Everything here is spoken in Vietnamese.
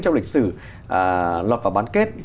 trong lịch sử lọt vào bán kết